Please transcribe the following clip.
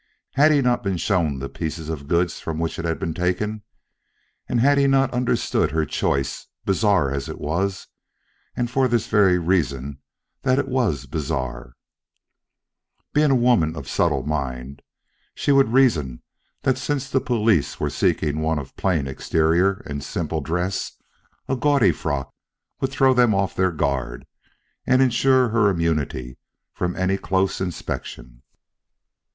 Had he not been shown the piece of goods from which it had been taken? And had he not understood her choice, bizarre as it was, and for this very reason, that it was bizarre? Being a woman of subtle mind, she would reason that since the police were seeking one of plain exterior and simple dress, a gaudy frock would throw them off their guard and insure her immunity from any close inspection.